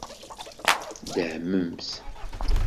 Dehmemt.